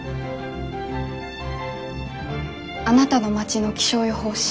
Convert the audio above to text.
「あなたの町の気象予報士